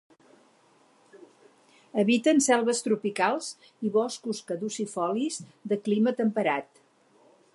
Habiten selves tropicals i boscos caducifolis de clima temperat.